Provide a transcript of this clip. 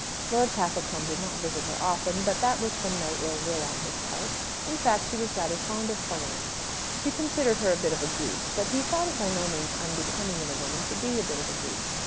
Lord Castlecombe did not visit her often; but that was from no ill will on his part. In fact, he was rather fond of Pauline. He considered her a bit of a goose. But he thought it by no means unbecoming in a woman to be a bit of a goose.